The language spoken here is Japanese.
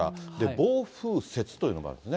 暴風雪というのがあるんですね。